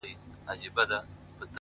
زما او ستا په جدايۍ خوشحاله ـ